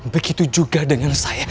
begitu juga dengan saya